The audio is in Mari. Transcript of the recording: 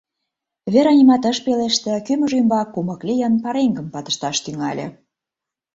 Вера нимат ыш пелеште, кӱмыж ӱмбак кумык лийын, пареҥгым падышташ тӱҥале.